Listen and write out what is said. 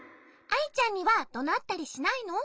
アイちゃんにはどなったりしないの？